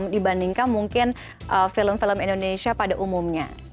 dibandingkan mungkin film film indonesia pada umumnya